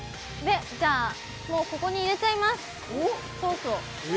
もうここに入れちゃいます、ソースを。